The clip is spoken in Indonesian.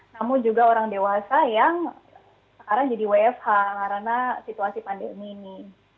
namun juga orang dewasa yang sekarang jadi wfh karena situasi pandemi ini